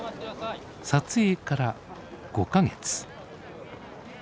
撮影から５か月。